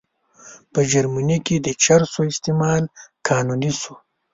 په جرمني کې د چرسو استعمال قانوني شو.